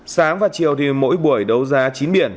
sáng và chiều thì mỗi buổi đấu giá chín biển